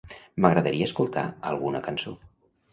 M'agradaria escoltar alguna cançó.